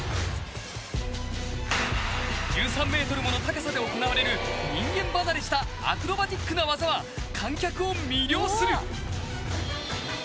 １３ｍもの高さで行われる人間離れしたアクロバティックな技は観客を魅了する。